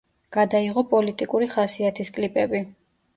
გადაიღო პოლიტიკური ხასიათის კლიპები.